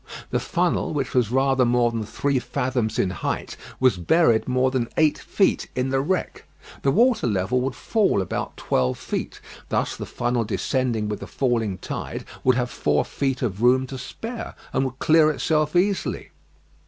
The funnel, which was rather more than three fathoms in height, was buried more than eight feet in the wreck. The water level would fall about twelve feet. Thus the funnel descending with the falling tide would have four feet of room to spare, and would clear itself easily.